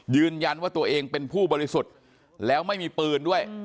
ยืนยันว่าตัวเองเป็นผู้บริสุทธิ์แล้วไม่มีปืนด้วย